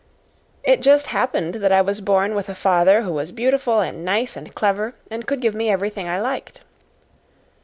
It just happened that I was born with a father who was beautiful and nice and clever, and could give me everything I liked.